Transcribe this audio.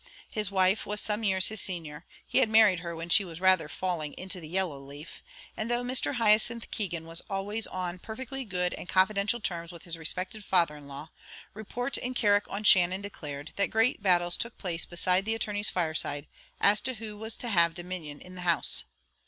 His wife was some years his senior; he had married her when she was rather falling into the yellow leaf; and though Mr. Hyacinth Keegan was always on perfectly good and confidential terms with his respected father in law, report in Carrick on Shannon declared, that great battles took place beside the attorney's fireside, as to who was to have dominion in the house.